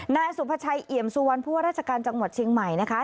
นายสุภาชัยเอี่ยมสุวรรณผู้ว่าราชการจังหวัดเชียงใหม่นะคะ